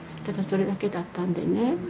ただそれだけだったんでね。